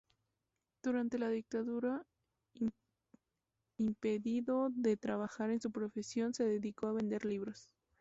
Durante la dictadura, impedido de trabajar en su profesión, se dedicó a vender libros.